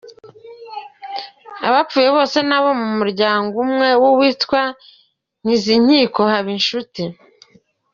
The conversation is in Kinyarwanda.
Abapfuye bose ni abo mu muryango umwe w’uwitwa Nkizinkiko Habinshuti.